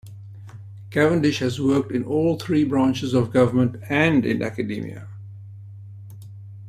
Cavendish has worked in all three branches of government and in academia.